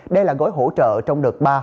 đây là gói hỗ trợ trong đợt ba